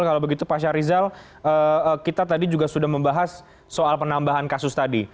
kalau begitu pak syarizal kita tadi juga sudah membahas soal penambahan kasus tadi